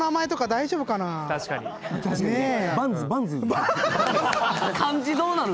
確かにねえ